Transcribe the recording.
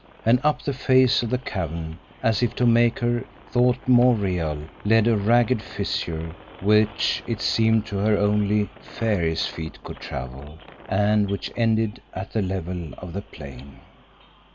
And up the face of the cavern, as if to make her thought more real, led a ragged fissure which it seemed to her only fairies' feet could travel, and which ended at the level of the plain.